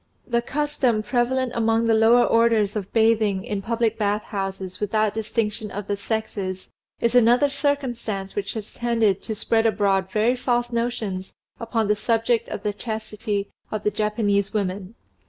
The custom prevalent among the lower orders of bathing in public bath houses without distinction of the sexes, is another circumstance which has tended to spread abroad very false notions upon the subject of the chastity of the Japanese women.